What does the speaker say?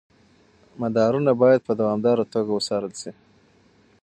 مدارونه باید په دوامداره توګه وڅارل شي.